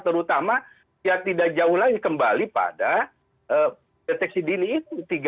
terutama ya tidak jauh lagi kembali pada deteksi dini itu